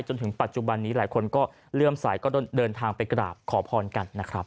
จนถึงปัจจุบันนี้หลายคนก็เลื่อมสายก็เดินทางไปกราบขอพรกันนะครับ